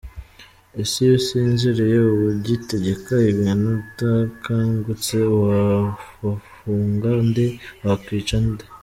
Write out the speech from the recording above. Ese iyo usinziriye uba ugitegeka ibintu, udakangutse wa wafunga nde, wakwica nde?